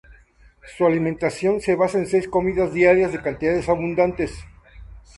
Su alimentación se basa en seis comidas diarias de cantidades abundantes.